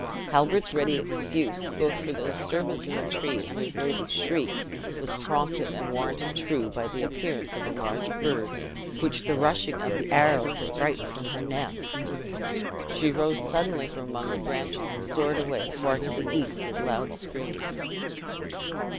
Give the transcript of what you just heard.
Halbert's ready excuse, both for the disturbance in the tree and his lady's shriek, was prompted and warranted true by the appearance of a large bird, which the rushing of the arrows had frighted from her nest; she rose suddenly from amongst the branches, and soared away, far to the east, with loud screams.